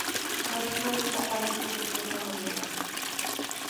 Las flores aparecen de septiembre a noviembre.